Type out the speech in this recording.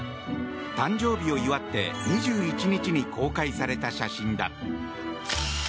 誕生日を祝って２１日に公開された写真だ。